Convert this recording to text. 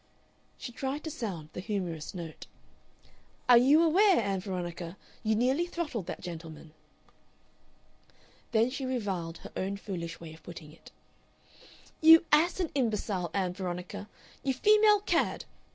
She tried to sound the humorous note. "Are you aware, Ann Veronica, you nearly throttled that gentleman?" Then she reviled her own foolish way of putting it. "You ass and imbecile, Ann Veronica! You female cad!